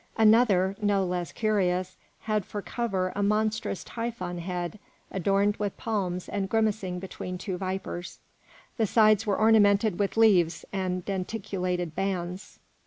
Another, no less curious, had for cover a monstrous Typhon head, adorned with palms and grimacing between two vipers. The sides were ornamented with leaves and denticulated bands.